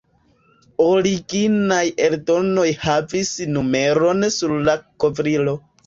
Originaj eldonoj havis numeron sur la kovrilo.